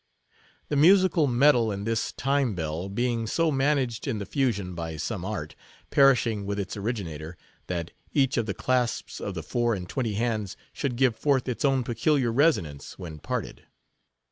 The musical metal in this time bell being so managed in the fusion, by some art, perishing with its originator, that each of the clasps of the four and twenty hands should give forth its own peculiar resonance when parted.